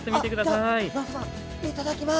いただきます！